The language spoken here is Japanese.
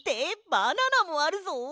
バナナもあるぞ。